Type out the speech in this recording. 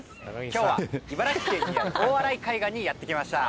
今日は茨城県にある大洗海岸にやって来ました。